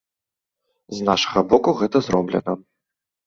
З нашага боку гэта зроблена.